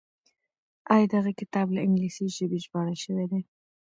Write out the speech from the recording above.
آيا دغه کتاب له انګليسي ژبې ژباړل شوی دی؟